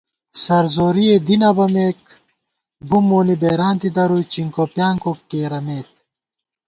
سرزورِئےدی نہ بَمېک بُم مونی بېرانتےدرُوئی چِنکوپیانکو کېرَمېت